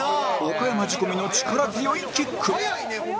岡山仕込みの力強いキック